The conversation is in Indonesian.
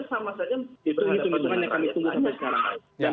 itu hitung hitungannya yang kami tunggu sampai sekarang